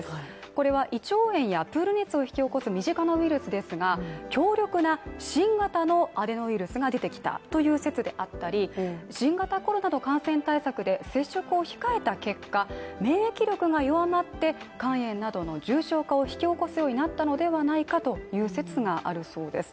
これは胃腸炎やプール熱を引き起こす身近なウイルスですが、強力な新型のアデノウイルスが出てきたという説であったり、新型コロナの感染対策で接触を控えた結果が免疫力が弱まって肝炎などの重症化を引き起こすようになったのではないかという説があるそうです。